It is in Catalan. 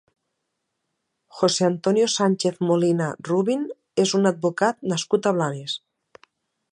José Antonio Sanchez-Molina Rubin és un advocat nascut a Blanes.